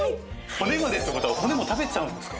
骨までって事は骨も食べちゃうんですか？